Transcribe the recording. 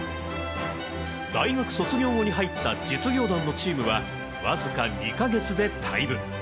大学卒業後に入った実業団のチームは僅か２か月で退部。